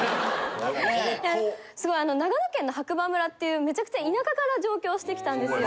すごいあの長野県の白馬村っていうめちゃくちゃ田舎から上京してきたんですよ。